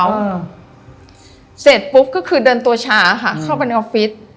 อืมเสร็จปุ๊บก็คือเดินตัวช้าค่ะเข้าไปในออฟฟิศ